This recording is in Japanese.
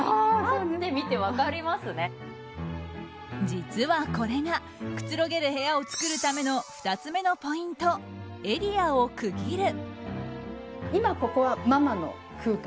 実は、これがくつろげる部屋を作るための２つ目のポイントエリアを区切る。